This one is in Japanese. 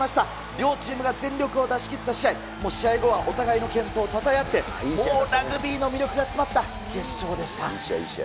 両チームが全力を出し切った試合、もう試合後はお互いの健闘をたたえ合って、もうラグビーの魅力が詰まった決勝でした。